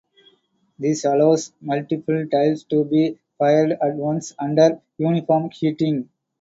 This allows multiple tiles to be fired at once under uniform heating.